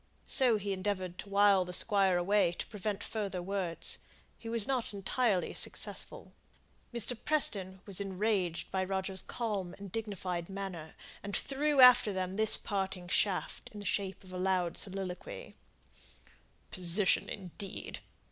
So he endeavoured to wile the Squire away to prevent further words. He was not entirely successful. Mr. Preston was enraged by Roger's calm and dignified manner, and threw after them this parting shaft, in the shape of a loud soliloquy, "Position, indeed!